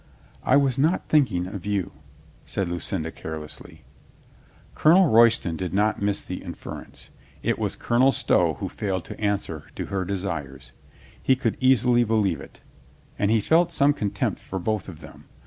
"I was not thinking of you," said Lucinda care lessly. Colonel Royston did not miss the inference. It was Colonel Stow who failed to answer to her de sires. He could easily believe it. And he felt some contempt for both of them.